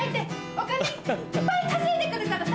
お金いっぱい稼いでくるからさ。